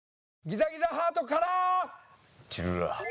ギザギザハートから。